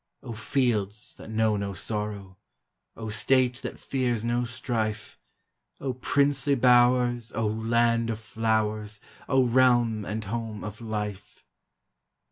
O fields that know no sorrow ! O state that fears no strife ! princely bowers! O land of flowers! realm and home of Life!